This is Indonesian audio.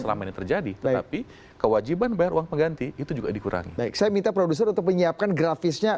baik saya minta produser untuk menyiapkan grafisnya